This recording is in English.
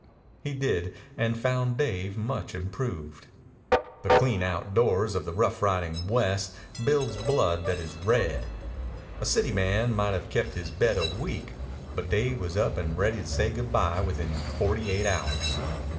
He did, and found Dave much improved. The clean outdoors of the rough riding West builds blood that is red. A city man might have kept his bed a week, but Dave was up and ready to say good bye within forty eight hours.